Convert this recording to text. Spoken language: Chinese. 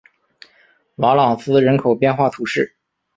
瓦朗斯人口变化图示